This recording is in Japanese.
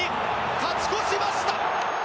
勝ち越しました！